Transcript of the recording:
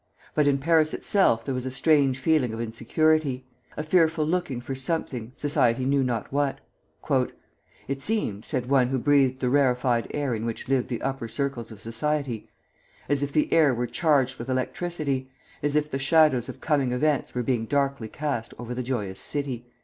But in Paris itself there was a strange feeling of insecurity, a fearful looking for something, society knew not what. "It seemed," said one who breathed the rarefied air in which lived the upper circles of society, "as if the air were charged with electricity; as if the shadows of coming events were being darkly cast over the joyous city."